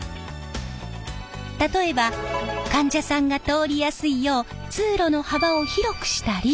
例えば患者さんが通りやすいよう通路の幅を広くしたり。